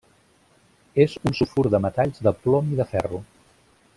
És un sulfur de metalls de plom i de ferro.